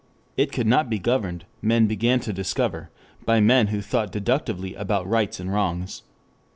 It could not be governed, men began to discover, by men who thought deductively about rights and wrongs.